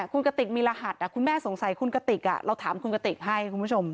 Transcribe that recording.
คุณกติกมีรหัสคุณแม่สงสัยคุณกติกเราถามคุณกติกให้คุณผู้ชม